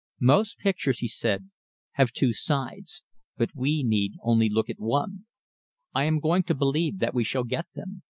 "Most pictures," he said, "have two sides, but we need only look at one. I am going to believe that we shall get them.